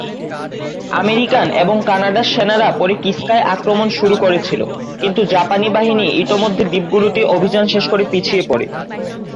American এবং কানাডার সেনারা পরে কিস্কায় আক্রমণ শুরু করেছিল, কিন্তু জাপানি বাহিনী ইতোমধ্যে দ্বীপগুলিতে অভিযান শেষ করে পিছিয়ে পরে।